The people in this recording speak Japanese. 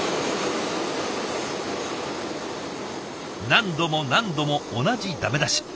何度も何度も同じダメ出し。